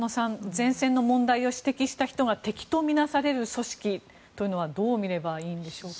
前線の問題を指摘した人が敵と見なされる組織はどうみればいいんでしょうか。